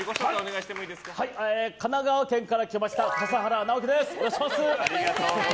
神奈川県から来ました笠原直樹です。